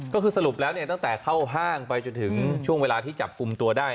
ก็คือสรุปแล้วตั้งแต่เข้าห้างไปจนถึงช่วงเวลาที่จับกลุ่มตัวได้